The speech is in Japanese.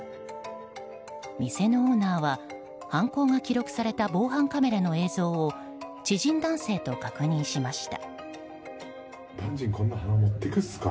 店のオーナーは、犯行が記録された防犯カメラの映像を知人男性と確認しました。